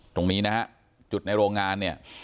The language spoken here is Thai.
ตรงนี้นะฮะจุดในโรงงานเนี่ย